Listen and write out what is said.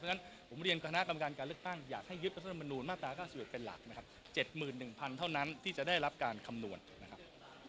เพราะฉะนั้นผมเรียนคณะกรรมการการเลือกตั้งอยากให้ยึดรัฐธรรมนูลมาตรา๙๑เป็นหลักนะครับ๗๑๐๐เท่านั้นที่จะได้รับการคำนวณนะครับ